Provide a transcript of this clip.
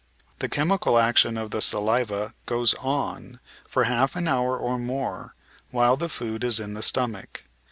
The chemical action of the saliva goes on, for half an hour or more, while the food is in the stomach.